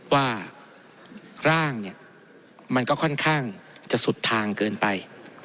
ว่าร่างเนี่ยมันก็ค่อนข้างจะสุดทางเกินไป